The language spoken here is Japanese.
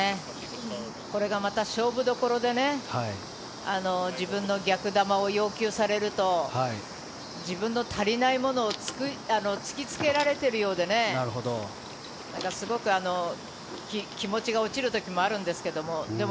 これがまた勝負どころで自分の逆球を要求されると自分の足りないものを突きつけられているようでねすごく気持ちが落ちる時もあるんですけども